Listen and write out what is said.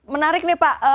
menarik nih pak